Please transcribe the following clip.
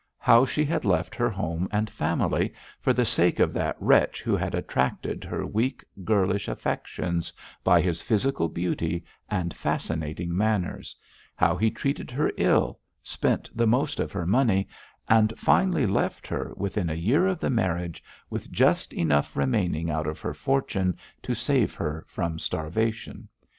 How she had left her home and family for the sake of that wretch who had attracted her weak, girlish affections by his physical beauty and fascinating manners; how he treated her ill, spent the most of her money, and finally left her, within a year of the marriage, with just enough remaining out of her fortune to save her from starvation.